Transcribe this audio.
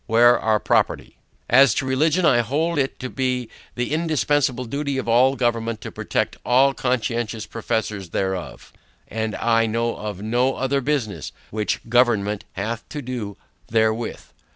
Where our property? As to religion, I hold it to be the indispensible duty of all government, to protect all conscientious professors thereof, and I know of no other business which government hath to do therewith.